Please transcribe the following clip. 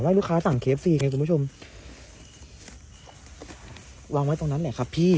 ให้ลูกค้าสั่งเคฟฟรีไงคุณผู้ชมวางไว้ตรงนั้นแหละครับพี่